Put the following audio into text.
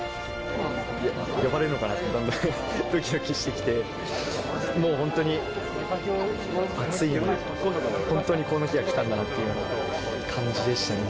呼ばれるのかなって、だんだんどきどきしてきて、もう本当についに本当にこの日が来たんだなというような感じでしたね。